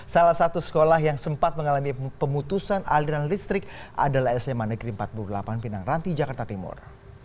salah satu sekolah yang sempat mengalami pemutusan aliran listrik adalah sma negeri empat puluh delapan pinang ranti jakarta timur